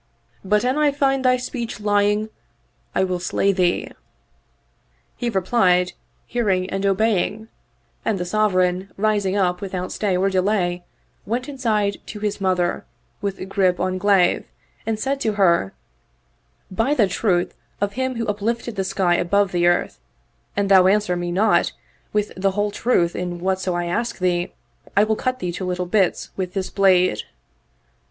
But an I find thy speech lying I will slay thee. He replied, " Hearing and obeying '*; and the Sovereign, rising up without stay or delay, went inside to his mother with grip on glaive, and said to her, " By the truth of Him who uplifted the sky above the earth, an thou answer me not with the whole truth in whatso I ask thee, I will cut thee to little bits with this blade."